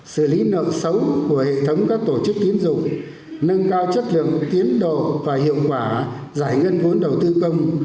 xử lý nợ xấu của hệ thống các tổ chức tiến dụng nâng cao chất lượng tiến độ và hiệu quả giải ngân vốn đầu tư công